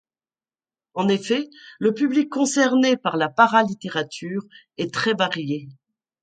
En effet, le public concerné par la paralittérature est très varié.